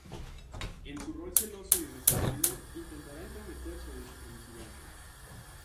En su rol celoso y resentido intentará entrometerse en su felicidad.